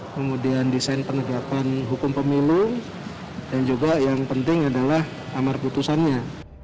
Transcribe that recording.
kemudian desain penegakan hukum pemilu dan juga yang penting adalah amar putusannya